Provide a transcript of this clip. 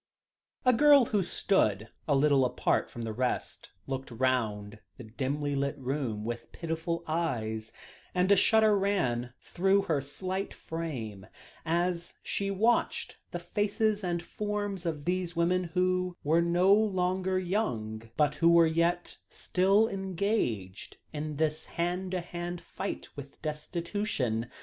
A girl who stood a little apart from the rest, looked round the dimly lit room with pitiful eyes, and a shudder ran through her slight frame, as she watched the faces and forms of these women who were no longer young, but who were yet still engaged in this hand to hand fight with destitution.